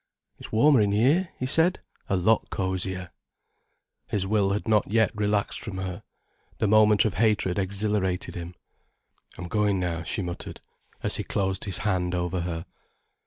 "It's warmer in here," he said; "a lot cosier." His will had not yet relaxed from her. The moment of hatred exhilarated him. "I'm going now," she muttered, as he closed his hand over her.